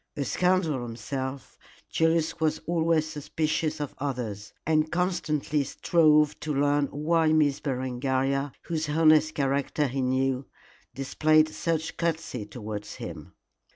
A scoundrel himself, Julius was always suspicious of others, and constantly strove to learn why Miss Berengaria, whose honest character he knew, displayed such courtesy towards him.